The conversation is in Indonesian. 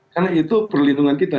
karena itu perlindungan kita